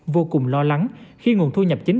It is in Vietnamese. vô cùng lo lắng khi nguồn thu nhập chính